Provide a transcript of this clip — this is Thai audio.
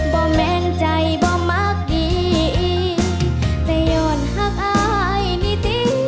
่แม่งใจบ่มักดีแต่หย่อนหักอายนิติ